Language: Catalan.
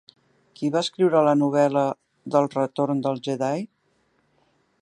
Qui va escriure la novel·la d'El retorn del Jedi?